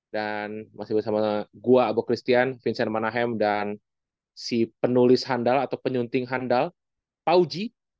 dan masih bersama gue agok kristian vincent manahem dan si penulis handal atau penyunting handal pauji